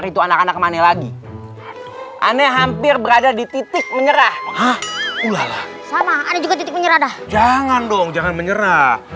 sampai jumpa di video selanjutnya